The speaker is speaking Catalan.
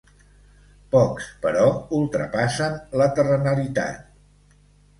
Pocs, però, ultrapassen la terrenalitat.